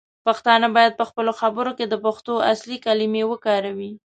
پښتانه باید پخپلو خبرو کې د پښتو اصلی کلمې وکاروي.